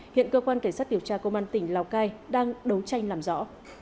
hiện cơ quan cảnh sát điều tra công an tỉnh lào cai đang đấu tranh làm rõ